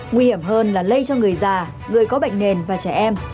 nguy hiểm hơn là lây cho người già người có bệnh nền và trẻ em